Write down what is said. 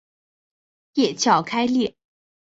叶鞘开裂。